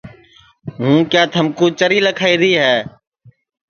ہوں کیا تھمکُو چری لکھائی ری ہے